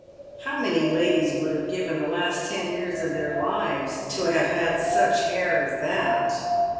How many ladies would have given the last ten years of their lives to have had such hair as that